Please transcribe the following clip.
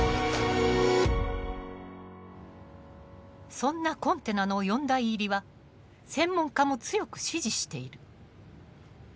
そんなコンテナの四大入りは専門家も強く支持している。